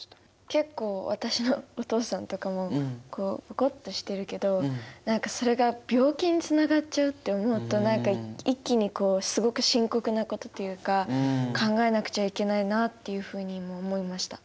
結構私のお父さんとかもこうポコっとしてるけど何かそれが病気につながっちゃうって思うと何か一気にすごく深刻なことというか考えなくちゃいけないなっていうふうに今思いました。